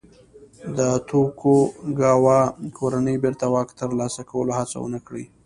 د توکوګاوا کورنۍ بېرته واک ترلاسه کولو هڅه ونه کړي.